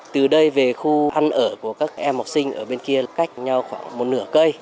từ đây về khu ăn ở của các em học sinh ở bên kia cách nhau khoảng một nửa cây